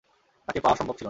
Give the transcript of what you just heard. তাকে পাওয়া সম্ভব ছিল না।